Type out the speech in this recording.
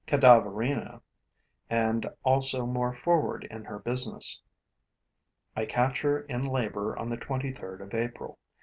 cadaverina and also more forward in her business. I catch her in labor on the 23rd of April.